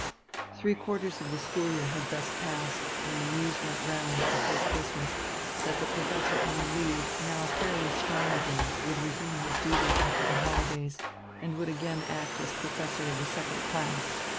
Three quarters of the school year had thus passed, when the news went round, before Christmas, that the professor on leave, now fairly strong again, would resume his duties after the holidays, and would again act as professor of the second class.